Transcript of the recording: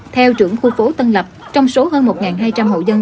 theo trưởng khu phố tân lập trong số hơn một hai trăm linh hộ dân